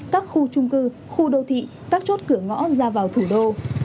các khu trung cư khu đô thị các chốt cửa ngõ ra vào thủ đô